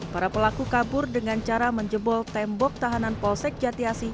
para pelaku kabur dengan cara menjebol tembok tahanan polsek jatiasi